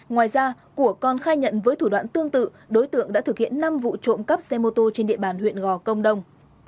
ngoài ra của còn khai nhận với thủ đoạn tương tự đối tượng đã thực hiện năm vụ trộm cắp xe mô tô trên địa bàn huyện gò công đông